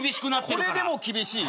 これでも厳しい？